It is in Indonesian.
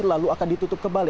lalu akan ditutup kembali